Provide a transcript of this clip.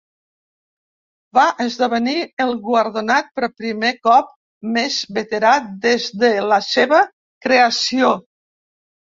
Va esdevenir el guardonat per primer cop més veterà des de la seva creació.